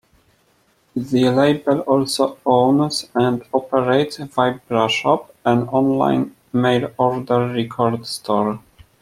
The label also owns and operates Vibrashop, an online mail order record store.